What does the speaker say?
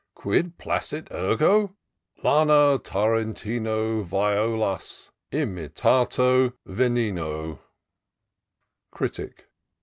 Quid placit ergo ? Lana Tarentino violas imitata veneno' " Critic.